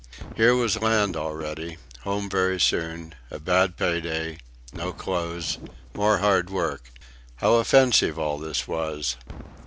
Here was land already home very soon a bad pay day no clothes more hard work. How offensive all this was.